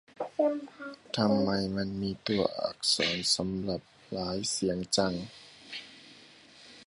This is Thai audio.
ทำไมมันมีตัวอักษรสำหรับหลายเสียงจัง